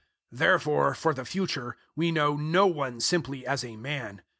005:016 Therefore for the future we know no one simply as a man.